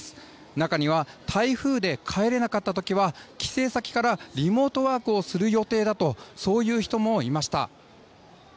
中には台風で帰れなかった時は帰省先からリモートワークをする予定だとそういう人もいました。